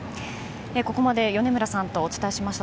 ここまで米村さんとお伝えしました。